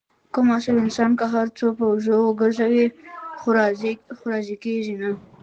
کم اصل انسان که هر څو په اوږو وگرځوې، خو راضي کېږي نه.